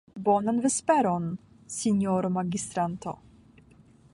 Bonan vesperon, sinjoro magistranto.